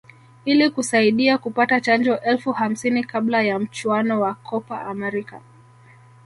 ili kusaidia kupata chanjo elfu hamsini kabla ya mchuano wa Copa America